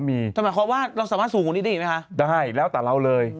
นี่ก็จะเป็นเทพประจำแต่ว่า